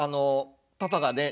パパがね